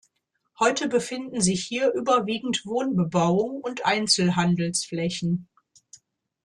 Heute befinden sich hier überwiegend Wohnbebauung und Einzelhandelsflächen.